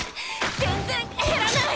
全然減らない！！